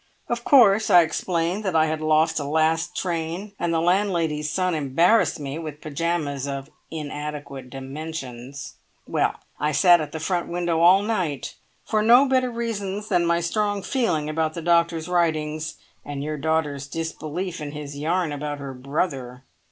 Of course I explained that I had lost a last train, and the landlady's son embarrassed me with pyjamas of inadequate dimensions. Well, I sat at the front window all night, for no better reasons than my strong feeling about the doctor's writings, and your daughter's disbelief in his yarn about her brother.